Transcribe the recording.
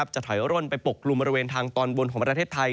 จะถอยร่นไปปกกลุ่มบริเวณทางตอนบนของประเทศไทย